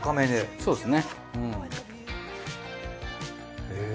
そうですね